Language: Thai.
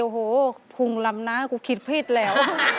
โอ้โหพุงลำนะกูคิดผิดแล้ว